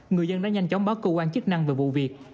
người dân đã nhanh chóng báo cơ quan chức năng về vụ việc